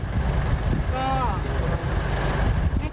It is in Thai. สู้ค่ะสู้